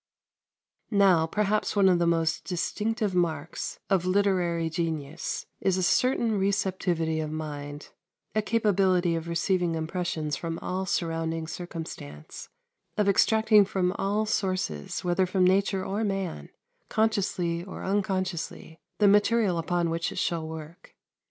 Now, perhaps one of the most distinctive marks of literary genius is a certain receptivity of mind; a capability of receiving impressions from all surrounding circumstance of extracting from all sources, whether from nature or man, consciously or unconsciously, the material upon which it shall work.